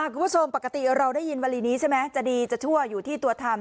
คุณผู้ชมปกติเราได้ยินวลีนี้ใช่ไหมจะดีจะชั่วอยู่ที่ตัวทำ